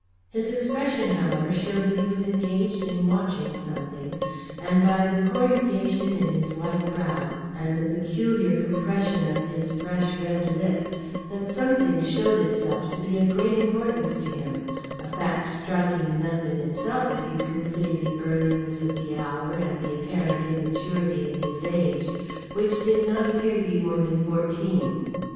His expression, however, showed that he was engaged in watching something, and by the corrugation in his white brow and the peculiar compression of his fresh red lip, that something showed itself to be of great importance to him; a fact striking enough in itself if you consider the earliness of the hour and the apparent immaturity of his age, which did not appear to be more than fourteen.